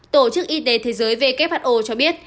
tổ chức y tế thế giới who cho biết